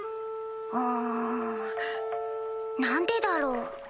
うん。何でだろ？